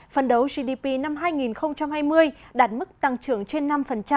phần đấu gdp năm hai nghìn hai mươi đạt mức tăng trưởng trên năm